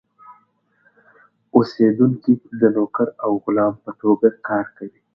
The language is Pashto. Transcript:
اوسېدونکي د نوکر او غلام په توګه کار کړل.